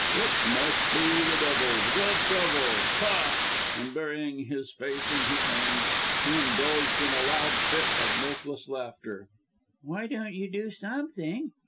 "It must be the devil! The devil! Ha!" and burying his face in his hands, he indulged in a loud fit of mirthless laughter. "Why don't you do something?